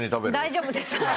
大丈夫です。